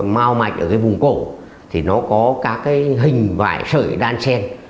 màu mạch ở cái vùng cổ thì nó có các cái hình vải sợi đan xen